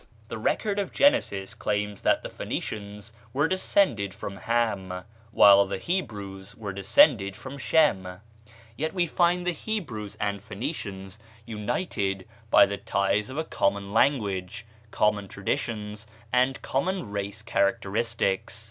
The record of Genesis claims that the Phoenicians were descended from Ham, while the Hebrews were descended from Shem; yet we find the Hebrews and Phoenicians united by the ties of a common language, common traditions, and common race characteristics.